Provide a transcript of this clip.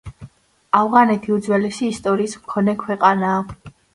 ავღანეთი უძველესი ისტორიის მქონე ქვეყანაა.